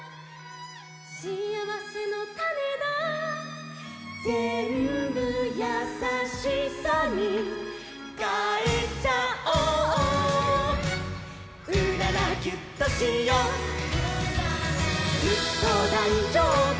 「しあわせのたねだ」「ぜんぶやさしさにかえちゃおう」「うららギュッとしよう」「ずっとだいじょうぶ」